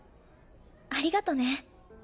ありがとね。